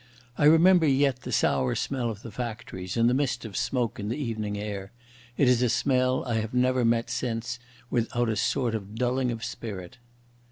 I remember yet the sour smell of the factories and the mist of smoke in the evening air. It is a smell I have never met since without a sort of dulling of spirit.